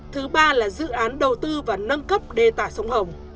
thứ ba là dự án đầu tư và nâng cấp đê tả sông hồng